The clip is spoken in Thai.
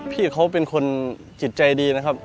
พี่เขาเป็นคนจิตใจดีนะครับ